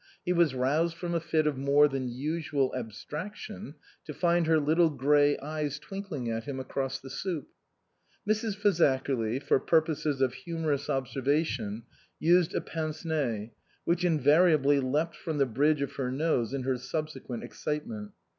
He was roused from a fit of more than usual abstraction to find her little grey eyes twinkling at him across the soup. Mrs. Fazakerly, for purposes of humorous observation, used a pince nez, which invariably leapt from the bridge of her nose in her subsequent excitement.